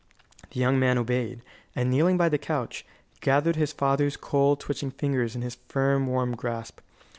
The young man obeyed, and, kneeling by the couch, gathered his father's cold, twitching fingers in his firm, warm grasp.